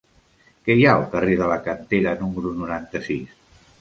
Què hi ha al carrer de la Cantera número noranta-sis?